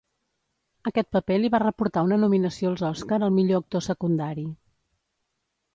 Aquest paper li va reportar una nominació als Oscar al millor actor secundari.